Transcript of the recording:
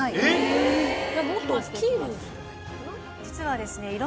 実はですね